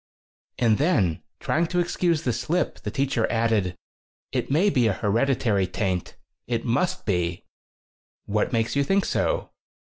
And then, trying to excuse the slip, the teacher added: "It may be a hereditary taint. It must be." "What makes you think so?"